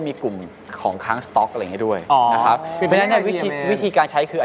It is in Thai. ไม่เป็นวิธีการใช้